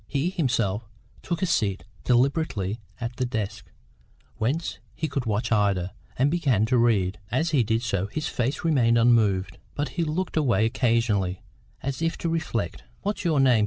He himself took a seat deliberately at a desk, whence he could watch Ida, and began to read. As he did so, his face remained unmoved, but he looked away occasionally, as if to reflect. "What's your name?"